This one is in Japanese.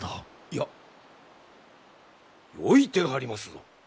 いやよい手がありますぞ！